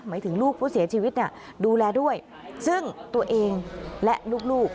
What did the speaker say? หมายถึงลูกผู้เสียชีวิตเนี่ยดูแลด้วยซึ่งตัวเองและลูก